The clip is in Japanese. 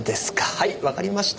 はいわかりました。